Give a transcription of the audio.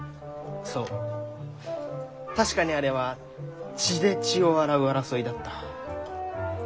そう確かにあれは血で血を洗う争いだった。